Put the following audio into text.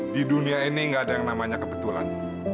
di dunia ini nggak ada yang namanya kebetulan